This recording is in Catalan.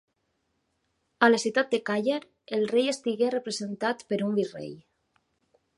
A la ciutat de Càller, el rei estigué representat per un virrei.